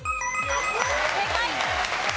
正解！